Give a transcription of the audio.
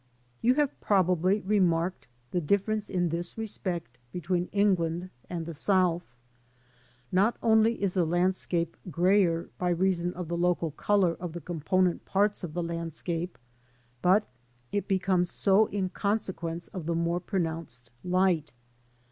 You have probably remarked the difference in this respect between England and the South. Not only is the landscape greyer by reason of the local colour of the component parts of the landscape, but it becomes so in consequence of the more pronounced light.